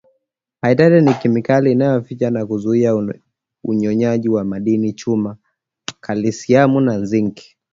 Phytate ni kemikali inayoyaficha na kuzuia unyonyaji wa madini chuma kalisiamu na zinki